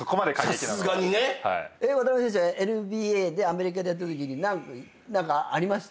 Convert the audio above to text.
渡邊選手はＮＢＡでアメリカでやってるときに何かありました？